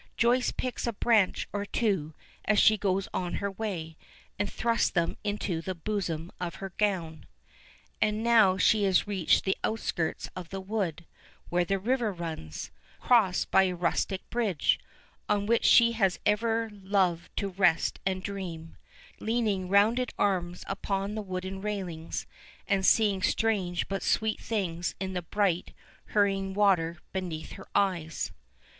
Joyce picks a branch or two as she goes on her way, and thrusts them into the bosom of her gown. And now she has reached the outskirts of the wood, where the river runs, crossed by a rustic bridge, on which she has ever loved to rest and dream, leaning rounded arms upon the wooden railings and seeing strange but sweet things in the bright, hurrying water beneath her eyes.